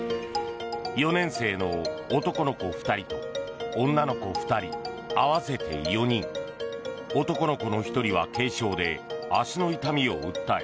４年生の男の子２人、女の子２人合わせて４人男の子の１人は軽傷で足の痛みを訴え